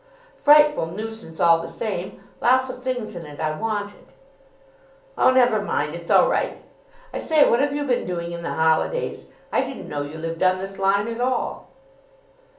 "Frightful nuisance, all the same. Lots of things in it I wanted." "Oh, never mind, it's all right. I say, what have you been doing in the holidays? I didn't know you lived on this line at all."